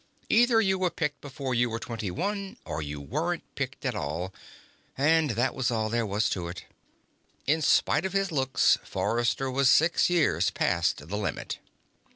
Either you were picked before you were twenty one, or you weren't picked at all, and that was all there was to it. In spite of his looks, Forrester was six years past the limit.